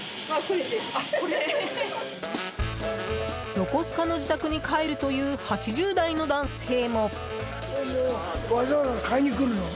横須賀の自宅に帰るという８０代の男性も。